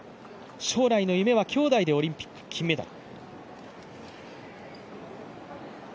将来の夢はきょうだいでオリンピック金メダル。